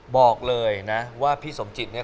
บอกเลยนะว่าพี่สมจิตเนี่ย